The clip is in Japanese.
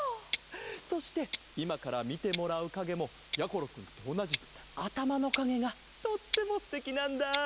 そしていまからみてもらうかげもやころくんとおなじあたまのかげがとってもすてきなんだ。